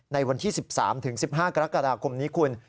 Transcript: ในวันที่๑๓๑๕กรกฎาคมนี้คุณ